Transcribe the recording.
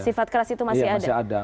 sifat keras itu masih ada